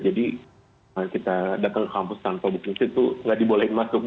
jadi kita datang ke kampus tanpa king seat itu tidak diboleh masuk